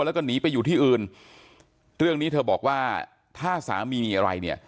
แล้วก็หนีไปอยู่ที่อื่นเรื่องนี้เธอบอกว่าถ้าสามีมีอะไรเนี่ย